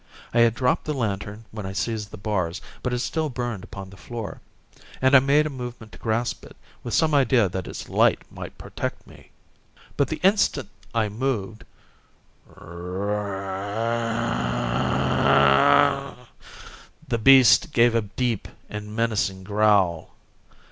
I had dropped the lantern when I seized the bars, but it still burned upon the floor, and I made a movement to grasp it, with some idea that its light might protect me. But the instant I moved, the beast gave a deep and menacing growl.